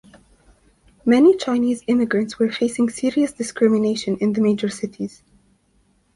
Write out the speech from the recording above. Many Chinese immigrants were facing serious discrimination in the major cities.